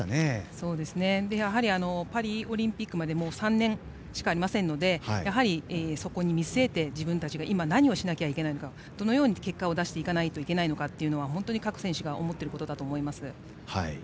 そうですね、そしてやはりパリオリンピックまでもう３年しかありませんのでそこを見据えて自分たちが今何をしなきゃいけないのかどのように結果を出していかないといけないのかというのは各選手が思っていることだと思います。